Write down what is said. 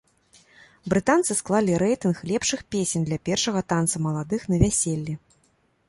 Брытанцы склалі рэйтынг лепшых песень для першага танца маладых на вяселлі.